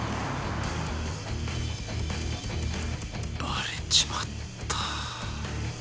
バレちまった。